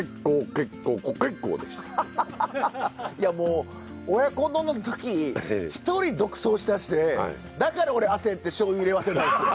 いやもう親子丼の時一人独走しだしてだから俺焦ってしょうゆ入れ忘れたんですよ。